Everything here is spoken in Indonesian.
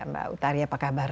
mbak utari apa kabar